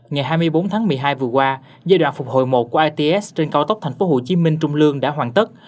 ngày hai mươi bốn tháng một mươi hai vừa qua giai đoạn phục hồi một của its trên cao tốc tp hcm trung lương đã hoàn tất